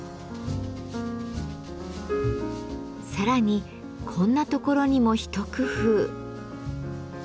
さらにこんなところにも一工夫。